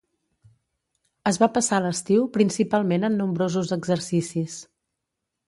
Es va passar l'estiu principalment en nombrosos exercicis.